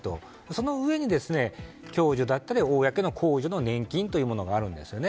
そのうえ、共助だったり公助の年金というものがあるんです。